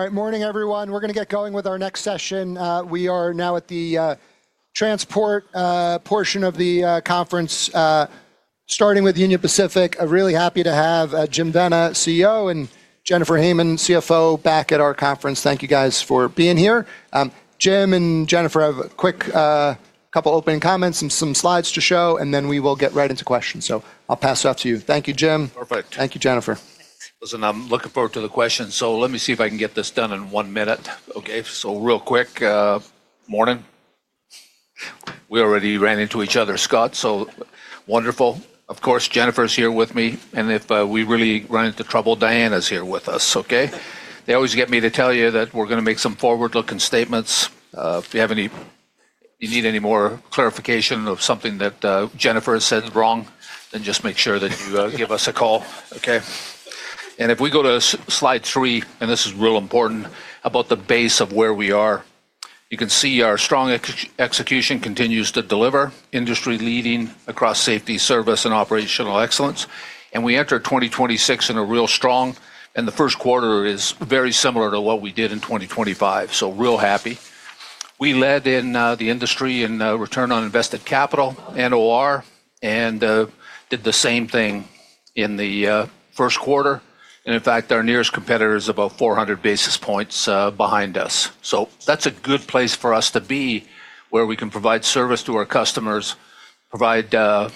All right. Morning, everyone. We're going to get going with our next session. We are now at the transport portion of the conference, starting with Union Pacific. Really happy to have Jim Vena, CEO, and Jennifer Hamann, CFO, back at our conference. Thank you guys for being here. Jim and Jennifer have a quick couple opening comments and some slides to show, and then we will get right into questions. I'll pass it off to you. Thank you, Jim. Perfect. Thank you, Jennifer. Listen, I'm looking forward to the questions. Let me see if I can get this done in one minute. Okay. Real quick. Morning. We already ran into each other, Scott, so wonderful. Of course, Jennifer's here with me, and if we really run into trouble, Diana's here with us, okay? They always get me to tell you that we're going to make some forward-looking statements. If you need any more clarification of something that Jennifer has said wrong, then just make sure that you give us a call. Okay. If we go to slide three, and this is real important, about the base of where we are. You can see our strong execution continues to deliver industry leading across safety, service, and operational excellence. We enter 2026 in a real strong, and the first quarter is very similar to what we did in 2025. Real happy. We led in the industry in return on invested capital, OR, and did the same thing in the first quarter. In fact, our nearest competitor is about 400 basis points behind us. That's a good place for us to be where we can provide service to our customers, provide our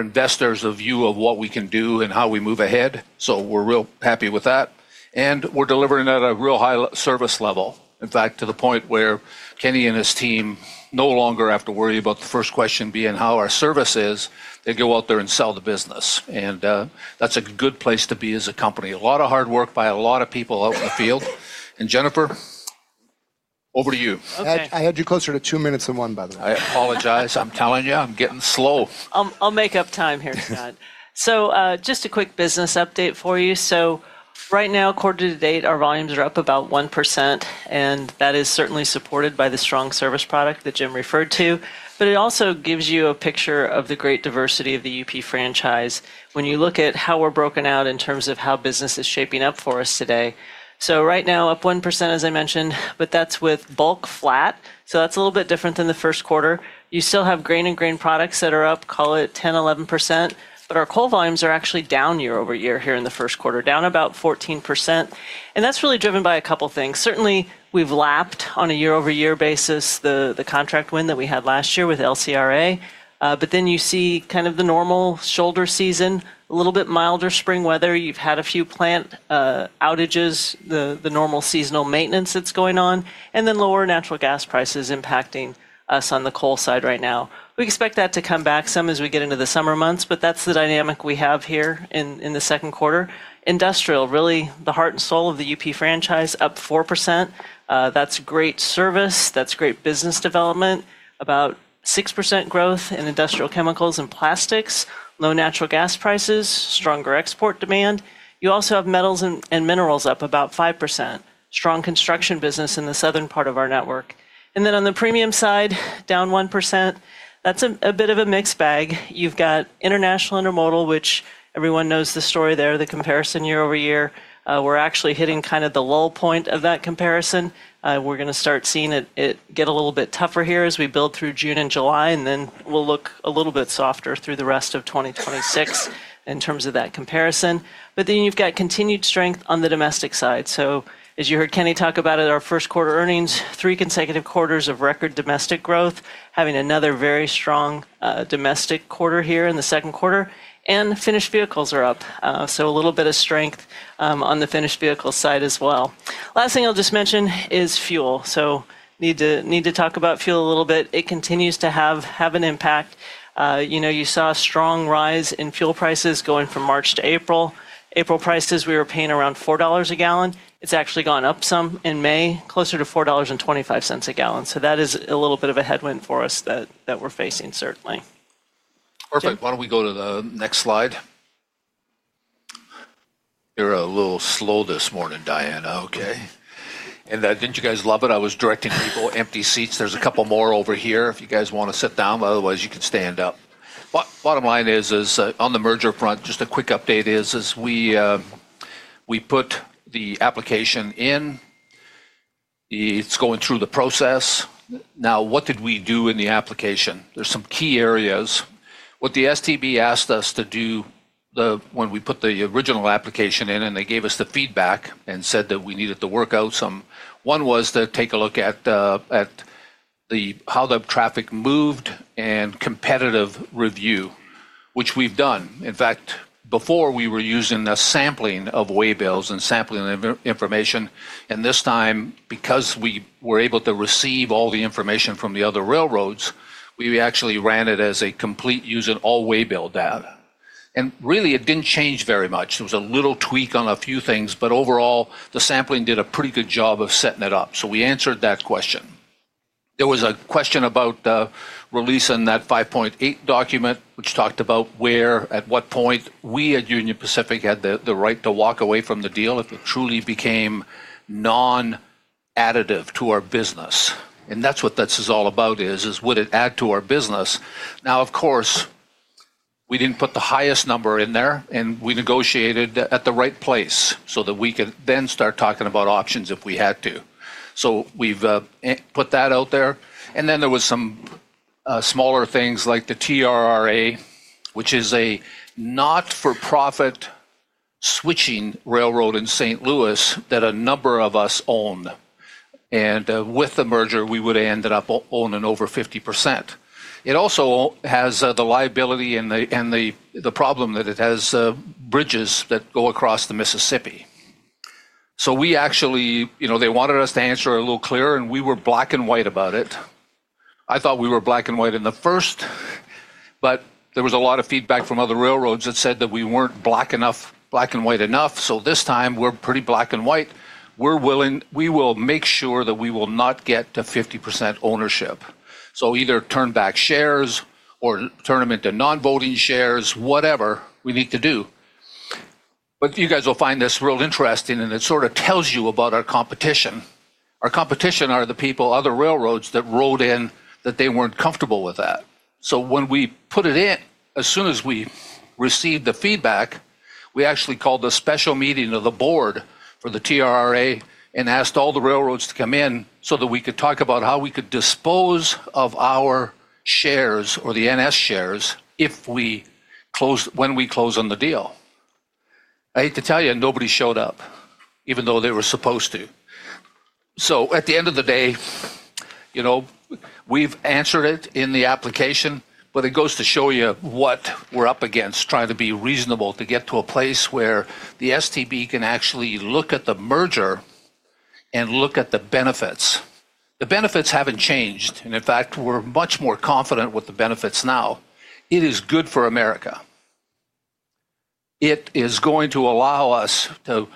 investors a view of what we can do and how we move ahead. We're real happy with that. We're delivering at a real high service level, in fact, to the point where Kenny and his team no longer have to worry about the first question being how our service is. They go out there and sell the business, and that's a good place to be as a company. A lot of hard work by a lot of people out in the field. Jennifer, over to you. I had you closer to two minutes than one, by the way. I apologize. I'm telling you, I'm getting slow. I'll make up time here, Scott. Just a quick business update for you. Right now, quarter-to-date, our volumes are up about 1%, and that is certainly supported by the strong service product that Jim referred to. It also gives you a picture of the great diversity of the UP franchise when you look at how we're broken out in terms of how business is shaping up for us today. Right now, up 1%, as I mentioned, but that's with bulk flat, so that's a little bit different than the first quarter. You still have grain and grain products that are up, call it 10%, 11%, but our coal volumes are actually down year-over-year here in the first quarter, down about 14%. That's really driven by a couple things. Certainly, we've lapped on a year-over-year basis the contract win that we had last year with LCRA. Then you see kind of the normal shoulder season, a little bit milder spring weather. You've had a few plant outages, the normal seasonal maintenance that's going on, and then lower natural gas prices impacting us on the coal side right now. We expect that to come back some as we get into the summer months, but that's the dynamic we have here in the second quarter. Industrial, really the heart and soul of the UP franchise, up 4%. That's great service. That's great business development. About 6% growth in industrial chemicals and plastics. Low natural gas prices, stronger export demand. You also have metals and minerals up about 5%. Strong construction business in the southern part of our network. Then on the premium side, down 1%. That's a bit of a mixed bag. You've got international intermodal, which everyone knows the story there, the comparison year-over-year. We're actually hitting kind of the lull point of that comparison. We're going to start seeing it get a little bit tougher here as we build through June and July, and then we'll look a little bit softer through the rest of 2026 in terms of that comparison. You've got continued strength on the domestic side. As you heard Kenny talk about at our first quarter earnings, three consecutive quarters of record domestic growth, having another very strong domestic quarter here in the second quarter, and finished vehicles are up. A little bit of strength on the finished vehicles side as well. Last thing I'll just mention is fuel. Need to talk about fuel a little bit. It continues to have an impact. You saw a strong rise in fuel prices going from March to April. April prices, we were paying around $4 a gallon. It's actually gone up some in May, closer to $4.25 a gallon. That is a little bit of a headwind for us that we're facing, certainly. Perfect. Why don't we go to the next slide? You're a little slow this morning, Diana, okay? Didn't you guys love it? I was directing people, empty seats. There's a couple more over here if you guys want to sit down. Otherwise, you can stand up. Bottom line is, on the merger front, just a quick update is, we put the application in. It's going through the process. What did we do in the application? There's some key areas. What the STB asked us to do when we put the original application in, and they gave us the feedback and said that we needed to work out some. One was to take a look at how the traffic moved and competitive review, which we've done. Before we were using the sampling of waybills and sampling information, this time because we were able to receive all the information from the other railroads, we actually ran it as a complete using all waybill data. Really it didn't change very much. There was a little tweak on a few things, overall, the sampling did a pretty good job of setting it up. We answered that question. There was a question about the release in that 5.8 document, which talked about where, at what point we at Union Pacific had the right to walk away from the deal if it truly became non-additive to our business. That's what this is all about is, would it add to our business? We didn't put the highest number in there, and we negotiated at the right place so that we could then start talking about options if we had to. We've put that out there. There was some smaller things like the TRRA, which is a not-for-profit switching railroad in St. Louis that a number of us own. With the merger, we would've ended up owning over 50%. It also has the liability and the problem that it has bridges that go across the Mississippi. They wanted us to answer a little clearer, and we were black and white about it. I thought we were black and white in the first but there was a lot of feedback from other railroads that said that we weren't black and white enough. This time we're pretty black and white. We will make sure that we will not get to 50% ownership. Either turn back shares, or turn them into non-voting shares, whatever we need to do. You guys will find this real interesting, and it sort of tells you about our competition. Our competition are the people, other railroads that wrote in that they weren't comfortable with that. When we put it in, as soon as we received the feedback, we actually called a special meeting of the Board for the TRRA and asked all the railroads to come in so that we could talk about how we could dispose of our shares or the NS shares when we close on the deal. I hate to tell you, nobody showed up even though they were supposed to. At the end of the day, we've answered it in the application, but it goes to show you what we're up against, trying to be reasonable to get to a place where the STB can actually look at the merger and look at the benefits. The benefits haven't changed, and in fact, we're much more confident with the benefits now. It is good for America. It is going to allow us to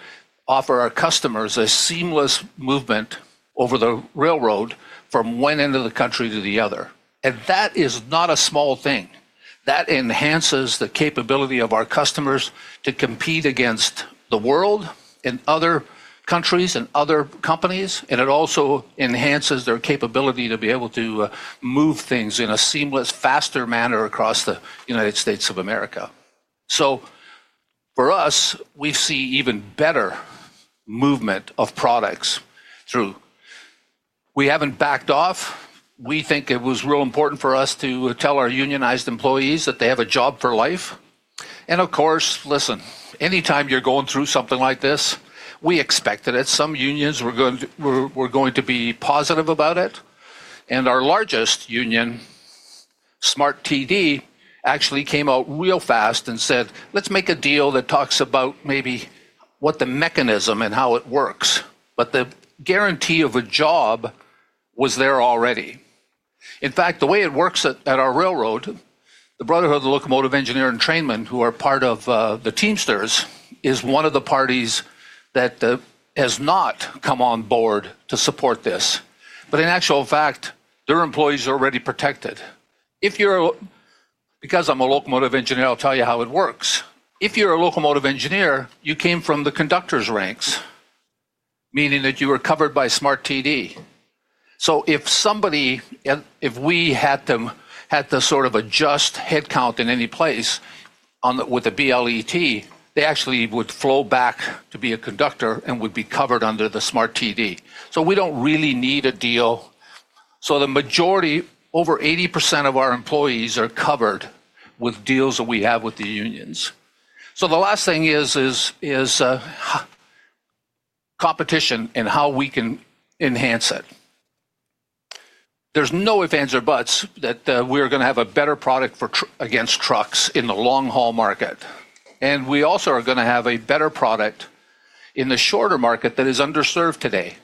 offer our customers a seamless movement over the railroad from one end of the country to the other. That is not a small thing. That enhances the capability of our customers to compete against the world and other countries and other companies. It also enhances their capability to be able to move things in a seamless, faster manner across the United States of America. For us, we see even better movement of products through. We haven't backed off. We think it was real important for us to tell our unionized employees that they have a job for life. Of course, listen, anytime you're going through something like this, we expected it. Some unions were going to be positive about it. Our largest union, SMART-TD, actually came out real fast and said, "Let's make a deal that talks about maybe what the mechanism and how it works." The guarantee of a job was there already. In fact, the way it works at our railroad, the Brotherhood of Locomotive Engineers and Trainmen, who are part of the Teamsters, is one of the parties that has not come on board to support this. In actual fact, their employees are already protected. Because I'm a locomotive engineer, I'll tell you how it works. If you're a locomotive engineer, you came from the conductor's ranks, meaning that you were covered by SMART-TD. If we had to sort of adjust headcount in any place with the BLET, they actually would flow back to be a conductor and would be covered under the SMART-TD. We don't really need a deal. The majority, over 80% of our employees are covered with deals that we have with the unions. The last thing is competition and how we can enhance it. There's no if, ands, or buts that we are going to have a better product against trucks in the long haul market. We also are going to have a better product in the shorter market that is underserved today.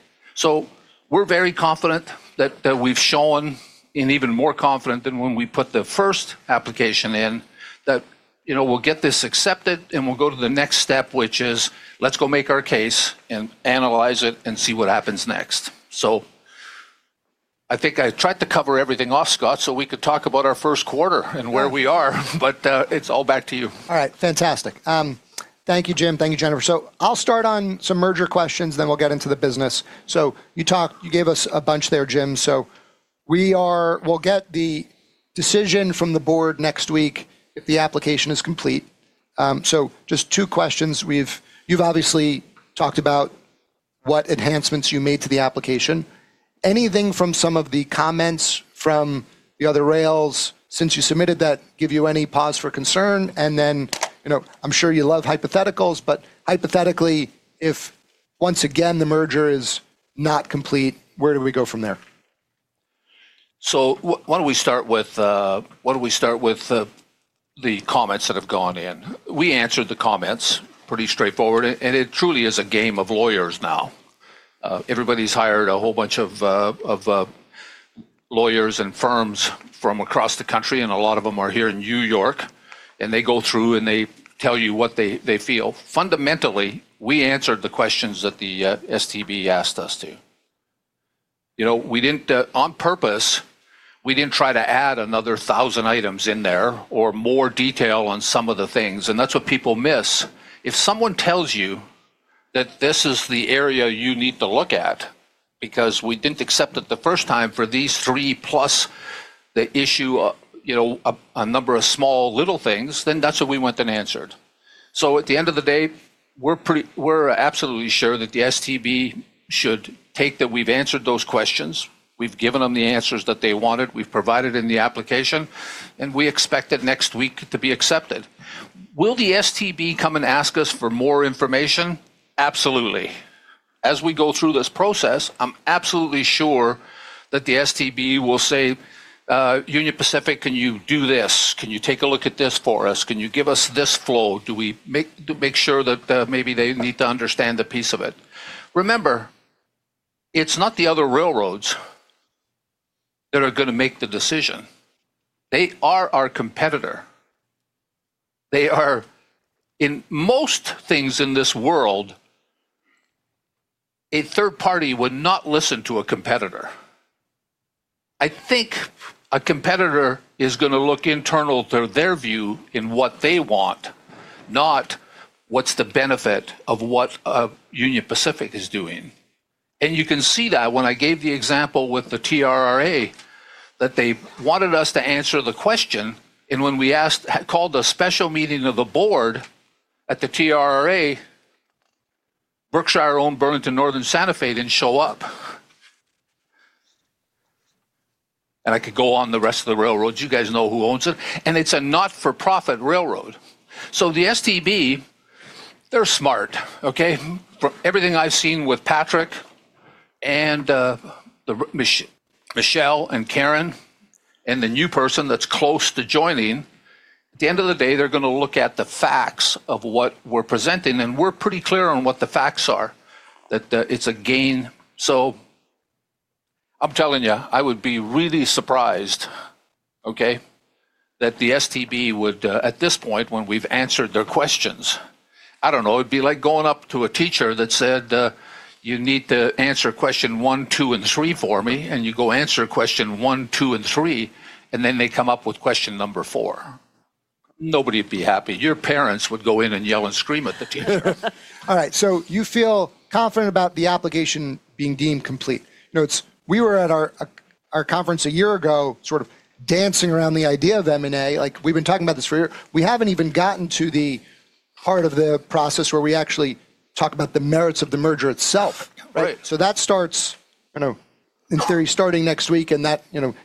We're very confident that we've shown, and even more confident than when we put the first application in, that we'll get this accepted, and we'll go to the next step, which is let's go make our case and analyze it and see what happens next. I think I tried to cover everything off, Scott, so we could talk about our first quarter and where we are, but it's all back to you. All right. Fantastic. Thank you, Jim. Thank you, Jennifer. I'll start on some merger questions, then we'll get into the business. You gave us a bunch there, Jim. We'll get the decision from the Board next week if the application is complete. Just two questions. You've obviously talked about what enhancements you made to the application. Anything from some of the comments from the other rails since you submitted that give you any pause for concern? Then I'm sure you love hypotheticals, but hypothetically, if once again the merger is not complete, where do we go from there? Why don't we start with the comments that have gone in? We answered the comments pretty straightforward. It truly is a game of lawyers now. Everybody's hired a whole bunch of lawyers and firms from across the country. A lot of them are here in New York, they go through, they tell you what they feel. Fundamentally, we answered the questions that the STB asked us to. On purpose, we didn't try to add another 1,000 items in there or more detail on some of the things. That's what people miss. If someone tells you that this is the area you need to look at, because we didn't accept it the first time for these three, plus the issue of a number of small little things, that's what we went and answered. At the end of the day, we're absolutely sure that the STB should take that we've answered those questions. We've given them the answers that they wanted, we've provided in the application, and we expect it next week to be accepted. Will the STB come and ask us for more information? Absolutely. As we go through this process, I'm absolutely sure that the STB will say, "Union Pacific, can you do this? Can you take a look at this for us? Can you give us this flow?" To make sure that maybe they need to understand the piece of it. Remember, it's not the other railroads that are going to make the decision. They are our competitor. In most things in this world, a third party would not listen to a competitor. I think a competitor is going to look internal to their view in what they want, not what's the benefit of what Union Pacific is doing. You can see that when I gave the example with the TRRA, that they wanted us to answer the question, when we called a special meeting of the board at the TRRA, Berkshire-owned Burlington Northern Santa Fe didn't show up. I could go on the rest of the railroads. You guys know who owns it. It's a not-for-profit railroad. The STB, they're smart, okay? From everything I've seen with Patrick and Michelle and Karen, and the new person that's close to joining, at the end of the day, they're going to look at the facts of what we're presenting, and we're pretty clear on what the facts are. That it's a gain. I'm telling you, I would be really surprised, okay, that the STB would, at this point, when we've answered their questions. I don't know. It'd be like going up to a teacher that said, "You need to answer question one, two, and three for me." You go answer question one, two, and three, and then they come up with question number four. Nobody'd be happy. Your parents would go in and yell and scream at the teacher. All right. You feel confident about the application being deemed complete. We were at our conference a year ago sort of dancing around the idea of M&A. We've been talking about this for a year. We haven't even gotten to the part of the process where we actually talk about the merits of the merger itself. Right. That starts, in theory, starting next week, and that,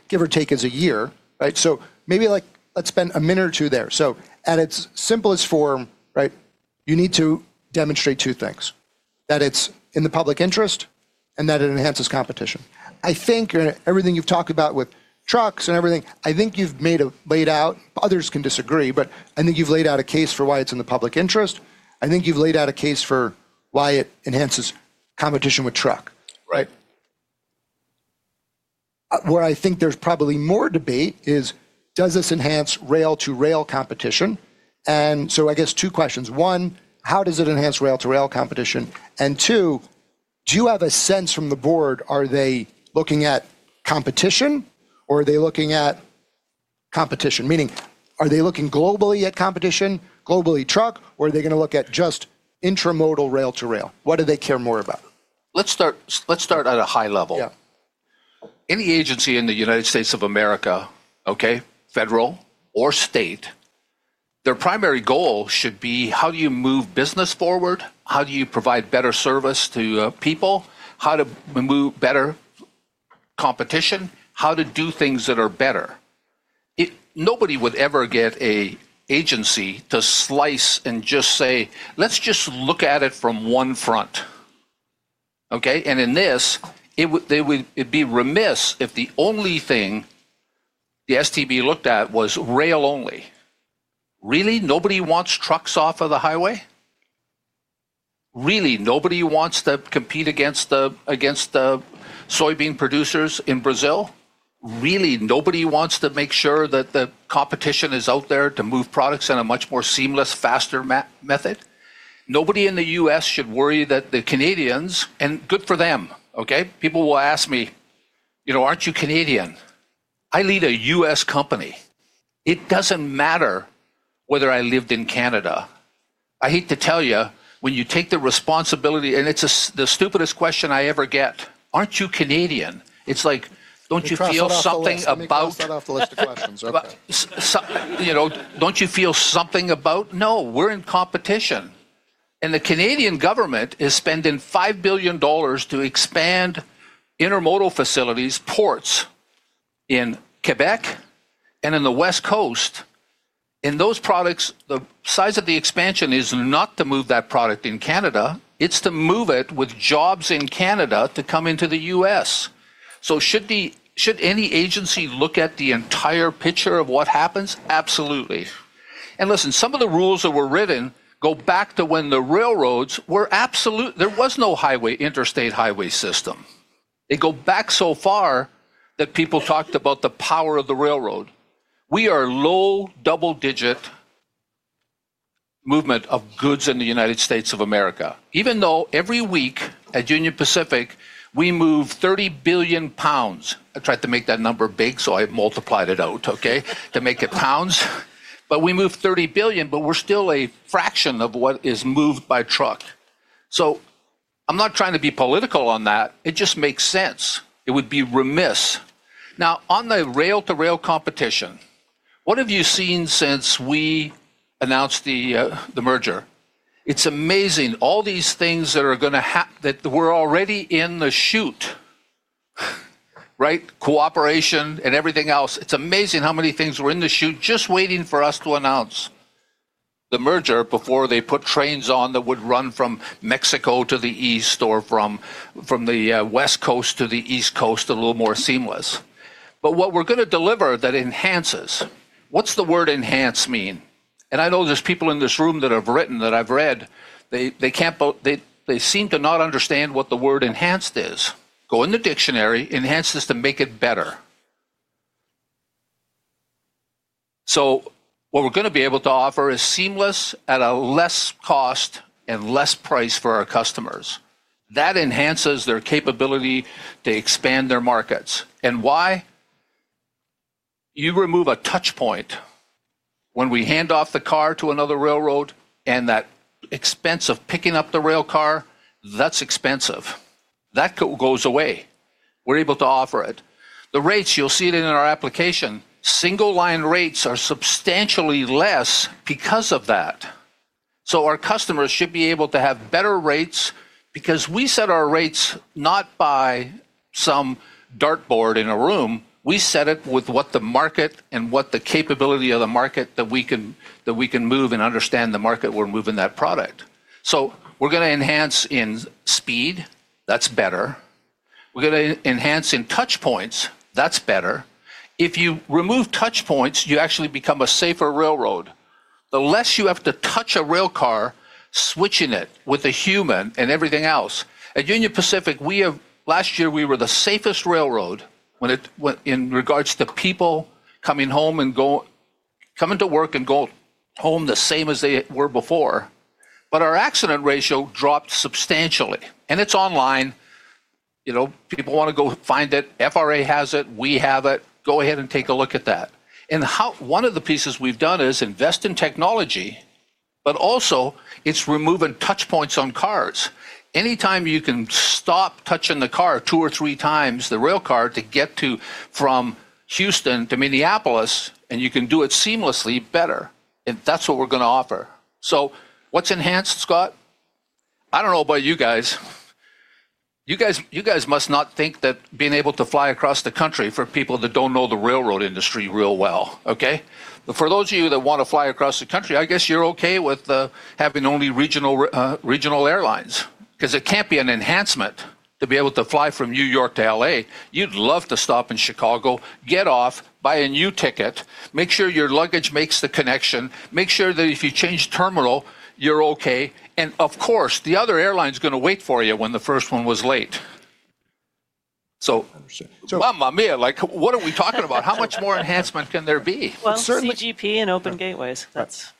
give or take, is a year, right. Maybe let's spend a minute or two there. At its simplest form, right, you need to demonstrate two things. That it's in the public interest, and that it enhances competition. I think everything you've talked about with trucks and everything, I think you've laid out, others can disagree, but I think you've laid out a case for why it's in the public interest. I think you've laid out a case for why it enhances competition with truck. Right. Where I think there's probably more debate is does this enhance rail-to-rail competition? I guess two questions. One, how does it enhance rail-to-rail competition? Two, do you have a sense from the board, are they looking at competition or are they looking at competition? Meaning, are they looking globally at competition, globally truck, or are they going to look at just intermodal rail-to-rail? What do they care more about? Let's start at a high level. Yeah. Any agency in the United States of America, okay, federal or state, their primary goal should be how do you move business forward? How do you provide better service to people? How to move better competition? How to do things that are better? Nobody would ever get an agency to slice and just say, "Let's just look at it from one front." Okay? In this, they would be remiss if the only thing the STB looked at was rail only. Really, nobody wants trucks off of the highway? Really, nobody wants to compete against the soybean producers in Brazil? Really, nobody wants to make sure that the competition is out there to move products in a much more seamless, faster method? Nobody in the U.S. should worry that the Canadians, and good for them, okay? People will ask me, "Aren't you Canadian?" I lead a U.S. company. It doesn't matter whether I lived in Canada. I hate to tell you, when you take the responsibility, and it's the stupidest question I ever get, "Aren't you Canadian?" It's like, don't you feel something? Let me cross that off the list of questions real quick. Don't you feel something about. No, we're in competition. The Canadian government is spending $5 billion to expand intermodal facilities, ports in Quebec and in the West Coast. Those products, the size of the expansion is not to move that product in Canada. It's to move it with jobs in Canada to come into the U.S. Should any agency look at the entire picture of what happens? Absolutely. Listen, some of the rules that were written go back to when the railroads were absolute. There was no interstate highway system. They go back so far that people talked about the power of the railroad. We are low double-digit movement of goods in the United States of America, even though every week at Union Pacific, we move 30 billion lbs. I tried to make that number big, so I multiplied it out, okay? To make it pounds. We move 30 billion, but we're still a fraction of what is moved by truck. I'm not trying to be political on that. It just makes sense. It would be remiss. Now on the rail-to-rail competition, what have you seen since we announced the merger? It's amazing all these things that were already in the chute. Right? Cooperation and everything else. It's amazing how many things were in the chute just waiting for us to announce the merger before they put trains on that would run from Mexico to the East or from the West Coast to the East Coast a little more seamless. What we're going to deliver that enhances. What's the word enhance mean? I know there's people in this room that have written, that I've read. They seem to not understand what the word enhanced is. Go in the dictionary. Enhance is to make it better. What we're going to be able to offer is seamless at a less cost and less price for our customers. That enhances their capability to expand their markets. Why? You remove a touch point when we hand off the car to another railroad, and that expense of picking up the rail car, that's expensive. That goes away. We're able to offer it. The rates, you'll see it in our application. Single line rates are substantially less because of that. Our customers should be able to have better rates because we set our rates not by some dartboard in a room. We set it with what the market and what the capability of the market that we can move and understand the market we're moving that product. We're going to enhance in speed. That's better. We're going to enhance in touch points. That's better. If you remove touch points, you actually become a safer railroad. The less you have to touch a rail car, switching it with a human and everything else. At Union Pacific, last year we were the safest railroad in regards to people coming to work and going home the same as they were before. Our accident ratio dropped substantially, and it's online. People want to go find it. FRA has it. We have it. Go ahead and take a look at that. One of the pieces we've done is invest in technology, but also it's removing touch points on cars. Anytime you can stop touching the car two or three times, the rail car, to get from Houston to Minneapolis, and you can do it seamlessly, better. That's what we're going to offer. What's enhanced, Scott? I don't know about you guys. You guys must not think that being able to fly across the country, for people that don't know the railroad industry real well. Okay? For those of you that want to fly across the country, I guess you're okay with having only regional airlines, because it can't be an enhancement to be able to fly from New York to L.A. You'd love to stop in Chicago, get off, buy a new ticket, make sure your luggage makes the connection, make sure that if you change terminal, you're okay, of course, the other airline's going to wait for you when the first one was late. I understand. Mamma mia, what are we talking about? How much more enhancement can there be? Well, CGP and Open Gateways.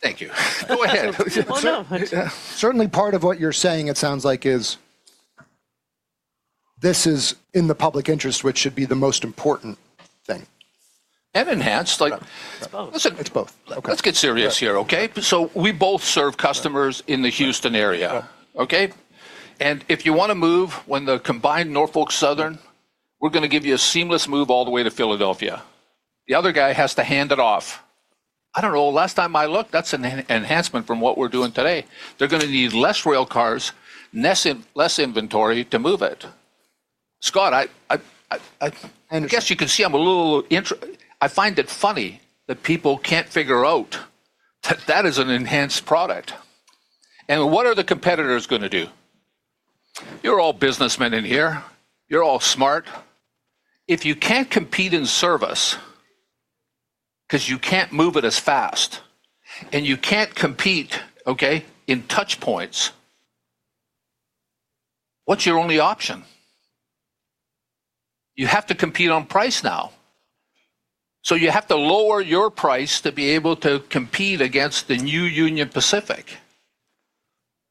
Thank you. Go ahead. Well, no. Certainly part of what you're saying, it sounds like, is this is in the public interest. Which should be the most important thing. Enhanced. It's both. It's both. Okay. Let's get serious here. Okay? We both serve customers in the Houston area. Yeah. Okay. If you want to move when the combined Norfolk Southern, we're going to give you a seamless move all the way to Philadelphia. The other guy has to hand it off. I don't know. Last time I looked, that's an enhancement from what we're doing today. They're going to need less rail cars, less inventory to move it. Scott, I guess you can see I'm a little [intense]. I find it funny that people can't figure out that that is an enhanced product. What are the competitors going to do? You're all businessmen in here. You're all smart. If you can't compete in service because you can't move it as fast, you can't compete, okay, in touch points, what's your only option? You have to compete on price now. You have to lower your price to be able to compete against the new Union Pacific.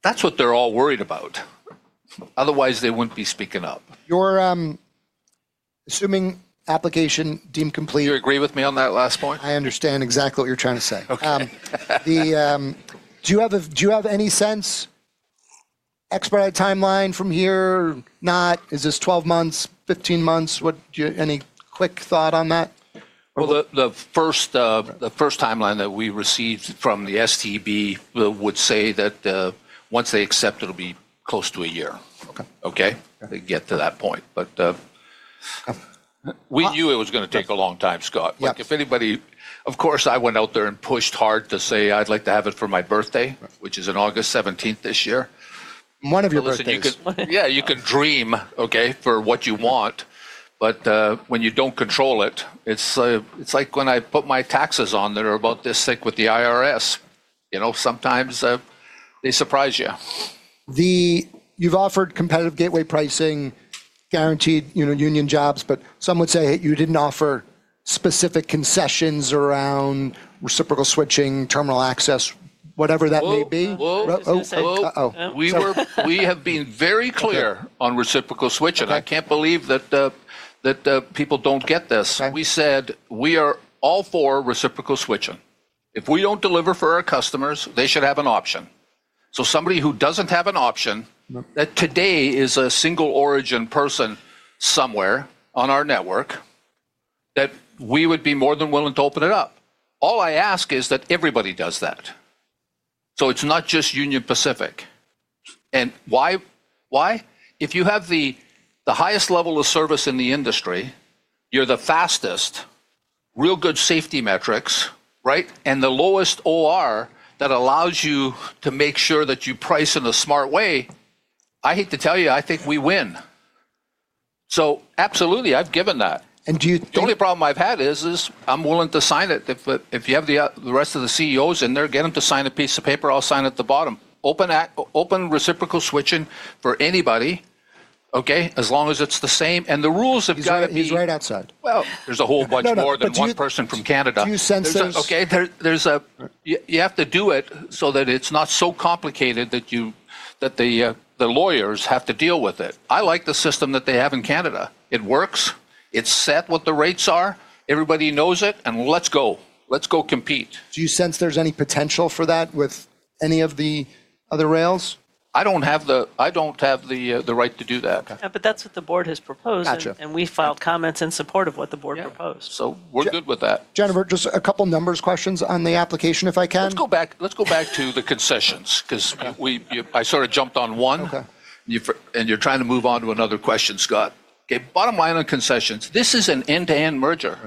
That's what they're all worried about. Otherwise, they wouldn't be speaking up. Your assuming application deemed complete. Do you agree with me on that last point? I understand exactly what you're trying to say. Okay. Do you have any sense, expert timeline from here? Not? Is this 12 months, 15 months? Any quick thought on that? Well, the first timeline that we received from the STB would say that once they accept, it'll be close to a year. Okay. Okay. To get to that point. We knew it was going to take a long time, Scott. Yes. Of course, I went out there and pushed hard to say I'd like to have it for my birthday, which is on August 17th this year. One of your birthdays. You can dream, okay, for what you want, but when you don't control it's like when I put my taxes on that are about this thick with the IRS. Sometimes they surprise you. You've offered competitive gateway pricing, guaranteed union jobs, but some would say you didn't offer specific concessions around reciprocal switching, terminal access. Whatever that may be. Whoa. Oh, uh-oh. Sorry. We have been very clear on reciprocal switching. Okay. I can't believe that the people don't get this. Okay. We said we are all for reciprocal switching. If we don't deliver for our customers, they should have an option. Somebody who doesn't have an option, that today is a single origin person somewhere on our network, that we would be more than willing to open it up. All I ask is that everybody does that, it's not just Union Pacific. Why? If you have the highest level of service in the industry, you're the fastest, real good safety metrics, right, and the lowest OR that allows you to make sure that you price in a smart way, I hate to tell you, I think we win. Absolutely, I've given that. Do you think? The only problem I've had is, I'm willing to sign it. If you have the rest of the CEOs in there, get them to sign a piece of paper, I'll sign at the bottom. Open reciprocal switching for anybody, okay? As long as it's the same, and the rules have got to be- He's right outside. Well, there's a whole bunch more than one person from Canada. No, no, but do you sense this? Okay. You have to do it so that it's not so complicated that the lawyers have to deal with it. I like the system that they have in Canada. It works, it's set what the rates are, everybody knows it, and let's go. Let's go compete. Do you sense there's any potential for that with any of the other rails? I don't have the right to do that. Okay. Yeah, that's what the board has proposed. Got you. We filed comments in support of what the board proposed. Yeah. We're good with that. Jennifer, just a couple numbers questions on the application, if I can. Let's go back to the concessions, because I sort of jumped on one. Okay. You're trying to move on to another question, Scott. Okay, bottom line on concessions, this is an end-to-end merger.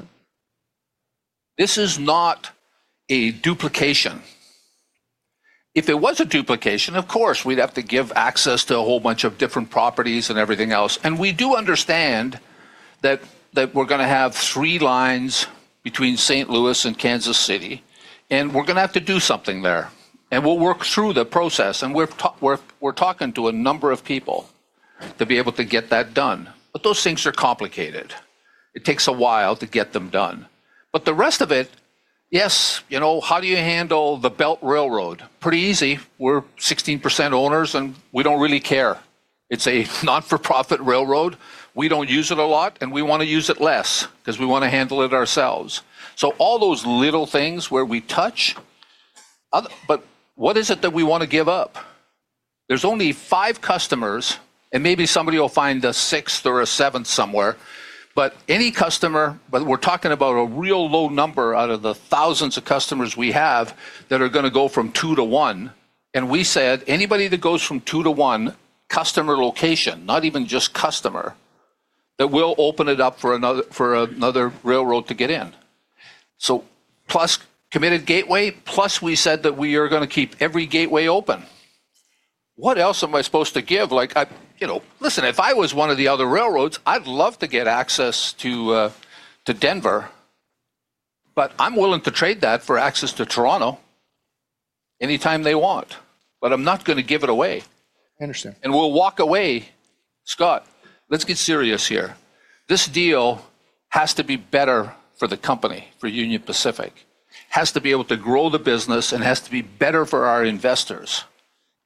This is not a duplication. If it was a duplication, of course, we'd have to give access to a whole bunch of different properties and everything else. We do understand that we're going to have three lines between St. Louis and Kansas City, and we're going to have to do something there. We'll work through the process, and we're talking to a number of people to be able to get that done. Those things are complicated. It takes a while to get them done. The rest of it, yes, how do you handle the Belt Railroad? Pretty easy. We're 16% owners, and we don't really care. It's a not-for-profit railroad. We don't use it a lot, and we want to use it less because we want to handle it ourselves. All those little things where we touch. What is it that we want to give up? There's only five customers, and maybe somebody will find a sixth or a seventh somewhere. Any customer, but we're talking about a real low number out of the thousands of customers we have that are going to go from two to one. We said anybody that goes from two to one customer location, not even just customer, that we'll open it up for another railroad to get in. Plus Committed Gateway, plus we said that we are going to keep every gateway open. What else am I supposed to give? Listen, if I was one of the other railroads, I'd love to get access to Denver. I'm willing to trade that for access to Toronto anytime they want. I'm not going to give it away. I understand. We'll walk away. Scott, let's get serious here. This deal has to be better for the company, for Union Pacific. It has to be able to grow the business. It has to be better for our investors.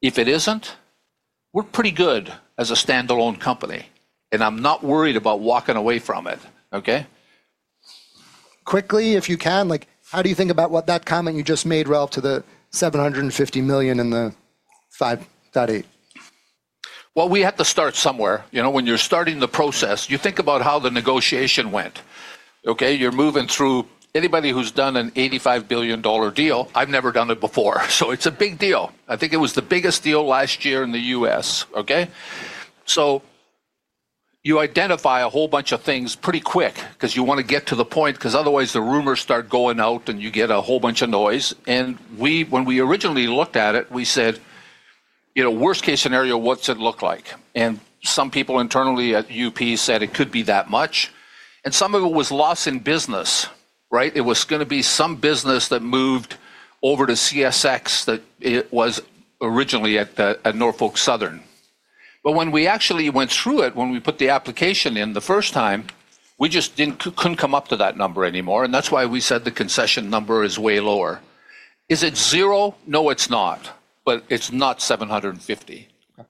If it isn't, we're pretty good as a standalone company. I'm not worried about walking away from it. Okay? Quickly, if you can, how do you think about what that comment you just made, relative, to the $750 million and the 5.8? Well, we have to start somewhere. When you're starting the process, you think about how the negotiation went. Okay? You're moving through. Anybody who's done an $85 billion deal, I've never done it before, so it's a big deal. I think it was the biggest deal last year in the U.S. Okay? You identify a whole bunch of things pretty quick because you want to get to the point, because otherwise the rumors start going out, and you get a whole bunch of noise. When we originally looked at it, we said, worst case scenario, what's it look like? Some people internally at UP said it could be that much. Some of it was loss in business, right? It was going to be some business that moved over to CSX that it was originally at Norfolk Southern. When we actually went through it, when we put the application in the first time, we just couldn't come up to that number anymore. That's why we said the concession number is way lower. Is it zero? No, it's not. It's not $750 million. Okay.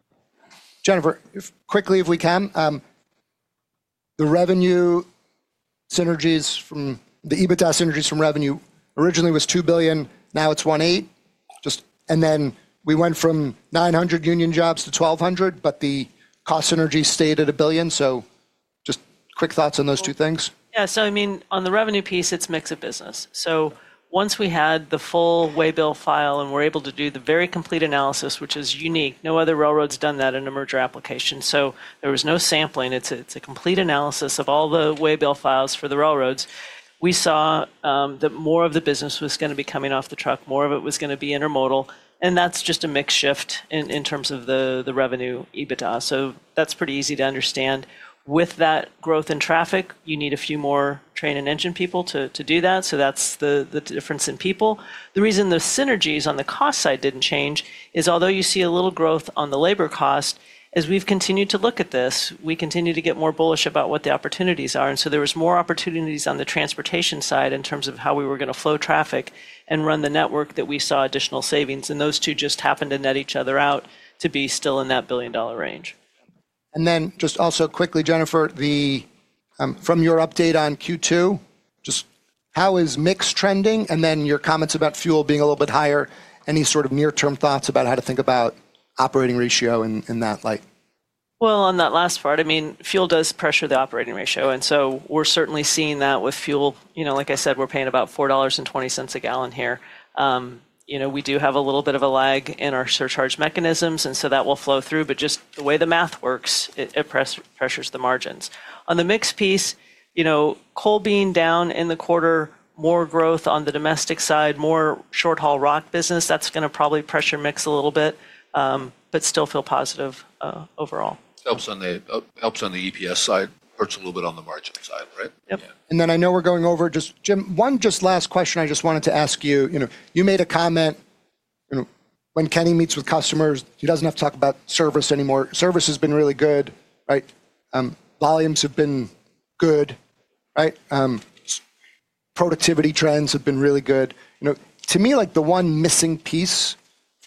Jennifer, quickly if we can, the revenue synergies from the EBITDA synergies from revenue originally was $2 billion, now it's $1.8 billion. We went from 900 union jobs to 1,200, but the cost synergies stayed at $1 billion. Just quick thoughts on those two things. Yeah. On the revenue piece, it's mix of business. Once we had the full waybill file and were able to do the very complete analysis, which is unique, no other railroad's done that in a merger application. There was no sampling. It's a complete analysis of all the waybill files for the railroads. We saw that more of the business was going to be coming off the truck, more of it was going to be intermodal, and that's just a mix shift in terms of the revenue EBITDA. That's pretty easy to understand. With that growth in traffic, you need a few more train and engine people to do that, so that's the difference in people. The reason the synergies on the cost side didn't change is although you see a little growth on the labor cost, as we've continued to look at this, we continue to get more bullish about what the opportunities are. There was more opportunities on the transportation side in terms of how we were going to flow traffic and run the network that we saw additional savings. Those two just happened to net each other out to be still in that billion-dollar range. Just also quickly, Jennifer, from your update on Q2, just how is mix trending? Your comments about fuel being a little bit higher, any sort of near-term thoughts about how to think about operating ratio in that light? Well, on that last part, fuel does pressure the operating ratio. We're certainly seeing that with fuel. Like I said, we're paying about $4.20 a gallon here. We do have a little bit of a lag in our surcharge mechanisms. That will flow through, just the way the math works, it pressures the margins. On the mix piece, coal being down in the quarter, more growth on the domestic side, more short-haul rock business, that's going to probably pressure mix a little bit. Still feel positive overall. Helps on the EPS side, hurts a little bit on the margin side, right? Yep. I know we're going over. Jim, one just last question I just wanted to ask you. You made a comment, when Kenny meets with customers, he doesn't have to talk about service anymore. Service has been really good. Right? Volumes have been good. Right? Productivity trends have been really good. To me, the one missing piece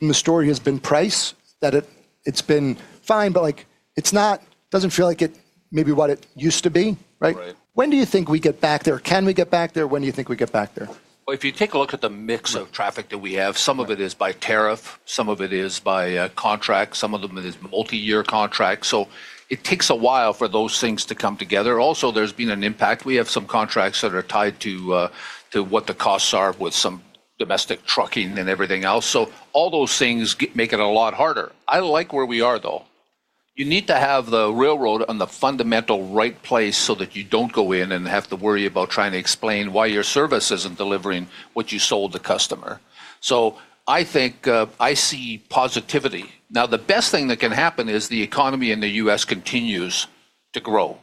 from the story has been price. That it's been fine, but it doesn't feel like maybe what it used to be, right? Right. When do you think we get back there? Can we get back there? When do you think we get back there? If you take a look at the mix of traffic that we have, some of it is by tariff, some of it is by contract, some of it is multi-year contracts. There's been an impact. We have some contracts that are tied to what the costs are with some domestic trucking and everything else. All those things make it a lot harder. I like where we are, though. You need to have the railroad on the fundamental right place so that you don't go in and have to worry about trying to explain why your service isn't delivering what you sold the customer. I think I see positivity. The best thing that can happen is the economy in the U.S. continues to grow,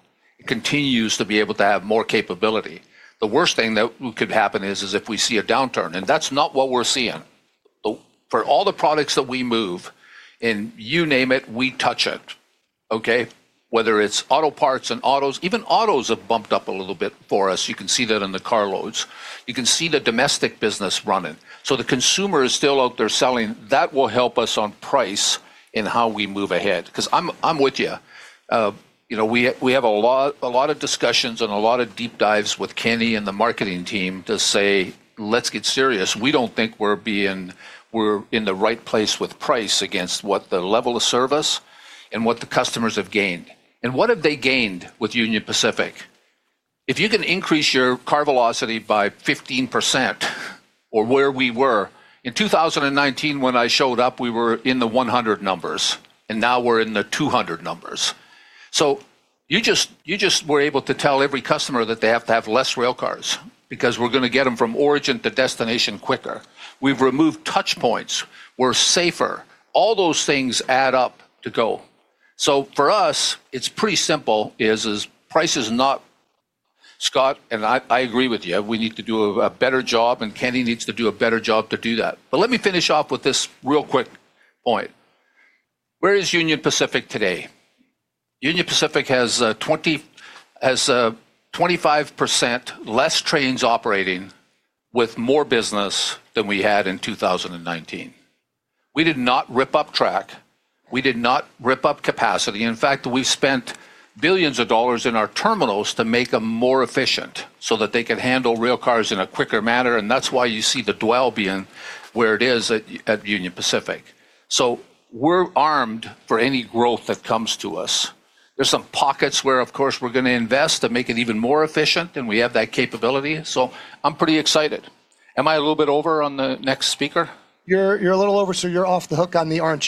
continues to be able to have more capability. The worst thing that could happen is if we see a downturn, and that's not what we're seeing. For all the products that we move, and you name it, we touch it. Okay. Whether it's auto parts and autos, even autos have bumped up a little bit for us. You can see that in the car loads. You can see the domestic business running. The consumer is still out there selling. That will help us on price in how we move ahead, because I'm with you. We have a lot of discussions and a lot of deep dives with Kenny and the marketing team to say, "Let's get serious." We don't think we're in the right place with price against what the level of service and what the customers have gained. What have they gained with Union Pacific? If you can increase your car velocity by 15% or where we were. In 2019 when I showed up, we were in the 100 numbers, and now we're in the 200 numbers. You just were able to tell every customer that they have to have less rail cars because we're going to get them from origin to destination quicker. We've removed touch points. We're safer. All those things add up to go. For us, it's pretty simple is Scott and I agree with you. We need to do a better job, and Kenny needs to do a better job to do that. Let me finish off with this real quick point. Where is Union Pacific today? Union Pacific has 25% less trains operating with more business than we had in 2019. We did not rip up track. We did not rip up capacity. In fact, we spent billions of dollars in our terminals to make them more efficient so that they could handle rail cars in a quicker manner, and that's why you see the dwell being where it is at Union Pacific. We're armed for any growth that comes to us. There's some pockets where, of course, we're going to invest to make it even more efficient, and we have that capability. I'm pretty excited. Am I a little bit over on the next speaker? You're a little over, so you're off the hook on the aren't you?